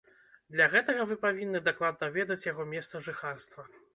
Для гэтага вы павінны дакладна ведаць яго месца жыхарства.